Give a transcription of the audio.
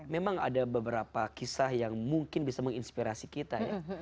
memang ada beberapa kisah yang mungkin bisa menginspirasi kita ya